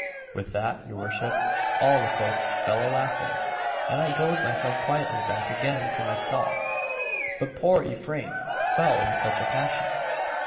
With that, your worship, all the folks fell a laughing, and I goes myself quietly back again to my stall. But poor Ephraim fell in such a passion!